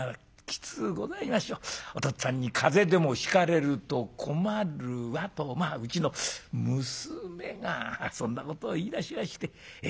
お父っつぁんに風邪でもひかれると困るわ』とまあうちの娘がそんなことを言いだしましてえ